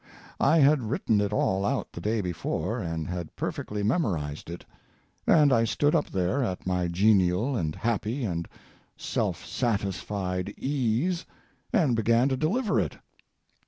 I had written it all out the day before and had perfectly memorized it, and I stood up there at my genial and happy and self satisfied ease, and began to deliver it.